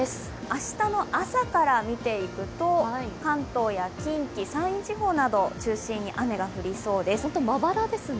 明日の朝から見ていくと関東や近畿、山陰地方などを中心に雨が降りそうです。